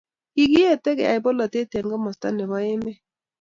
Kikietee kiyaie polatet eng komosto neo nebo emet